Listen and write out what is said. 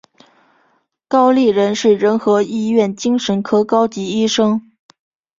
高立仁是仁和医院精神科高级医生。